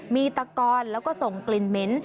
มีตะกอนแล้วก็ส่งกลิ่นเหม็น